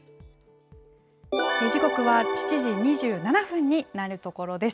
時刻は７時２７分になるところです。